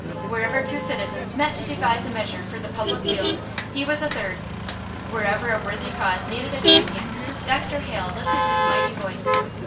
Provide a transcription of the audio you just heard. Wherever two citizens met to devise a measure for the public weal, he was a third. Wherever a worthy cause needed a champion, Dr. Hale lifted his mighty voice.